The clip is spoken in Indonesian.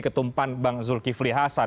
ketumpan bang zulkifli hasan